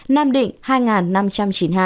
nam định hai năm trăm chín mươi hai